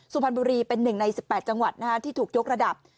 สุพรรณบุรีเป็น๑ใน๑๘จังหวัดที่ถูกยกระดับ